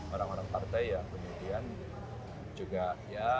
orang orang partai ya kemudian juga ya